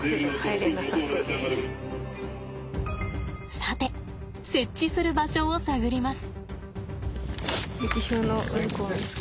さて設置する場所を探ります。